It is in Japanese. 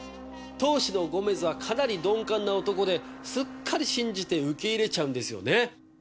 当主のゴメズはかなり鈍感な男ですっかり信じて受け入れちゃうんですよね。